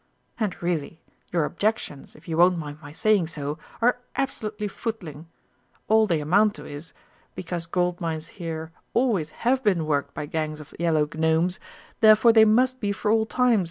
And really, your objections, if you won't mind my saying so, are absolutely footling. All they amount to is because Gold Mines here always have been worked by gangs of Yellow Gnomes, therefore they must be for all time.